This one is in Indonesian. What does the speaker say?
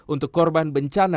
untuk korban bencana